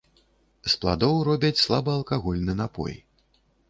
З пладоў робяць слабаалкагольны напой.